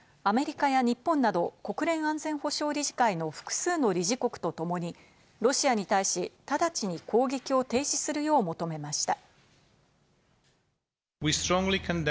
ウクライナのキスリツァ国連大使は８日、アメリカや日本など、国連安全保障理事会の複数の理事国とともに、ロシアに対し、直ちに攻撃を停止するよう求めました。